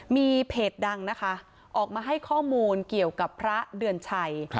มีเพจดังนะคะออกมาให้ข้อมูลเกี่ยวกับพระเดือนชัย